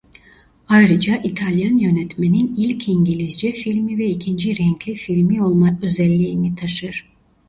Ayrıca İtalyan yönetmenin ilk İngilizce filmi ve ikinci renkli filmi olma özelliğini taşır.